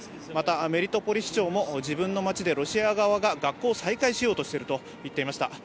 またメリトポリ市長も自分の街でロシア側が学校を再開しようとしていると言っていました。